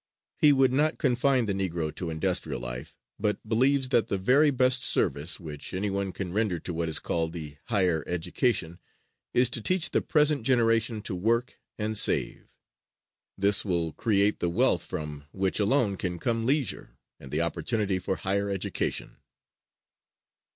He would not confine the Negro to industrial life, but believes that the very best service which any one can render to what is called the "higher education" is to teach the present generation to work and save. This will create the wealth from which alone can come leisure and the opportunity for higher education.